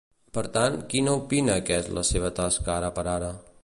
Per tant, quina opina que és la seva tasca ara per ara?